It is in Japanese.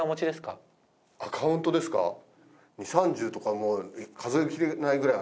アカウントですか？